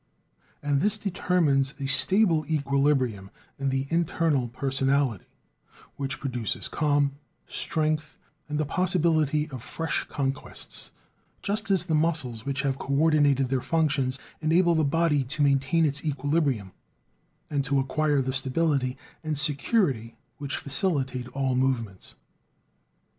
And this determines a stable equilibrium in the internal personality, which produces calm, strength, and the possibility of fresh conquests, just as the muscles which have coordinated their functions enable the body to maintain its equilibrium, and to acquire that stability and security which facilitate all movements.